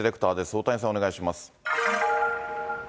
大谷さん、お願いします。